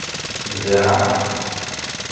Zerɛent.